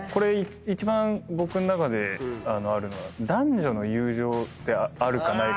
一番僕ん中であるのは男女の友情ってあるかないか。